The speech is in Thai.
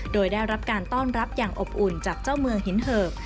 โดยได้รับการต้อนรับอย่างอบอุ่นจากเจ้าเมืองหินเหิบ